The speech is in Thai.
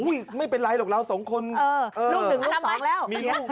อุ้ยไม่เป็นไรหรอกเราสองคนเออลูกหนึ่งลูกสองแล้ว